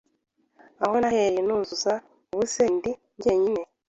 Aho nahereye nuzuza ubu se ndi jyenyine